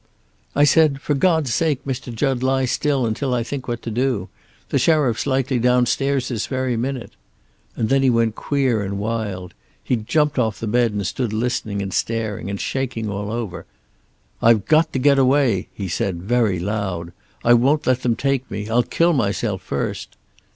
"I said, 'For God's sake, Mr. Jud, lie still, until I think what to do. The sheriff's likely downstairs this very minute.' And then he went queer and wild. He jumped off the bed and stood listening and staring, and shaking all over. 'I've got to get away,' he said, very loud. 'I won't let them take me. I'll kill myself first!'